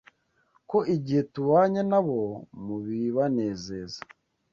ko igihe tubanye na bo mu bibanezeza